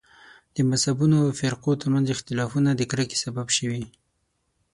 د مذهبونو او فرقو تر منځ اختلافونه د کرکې سبب شوي.